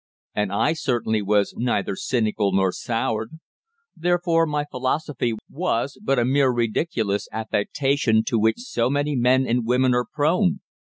And I certainly was neither cynical nor soured. Therefore my philosophy was but a mere ridiculous affectation to which so many men and women are prone.